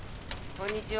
・こんにちは。